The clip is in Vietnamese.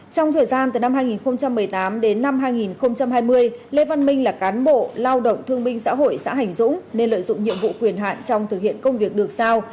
trong thời gian từ năm hai nghìn một mươi tám đến năm hai nghìn hai mươi lê văn minh là cán bộ lao động thương minh xã hội xã hành dũng nên lợi dụng nhiệm vụ quyền hạn trong thực hiện công việc được sao